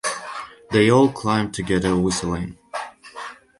They all climbed together whistling.